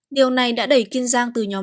điều này đã đẩy kiên giang từ nhóm hai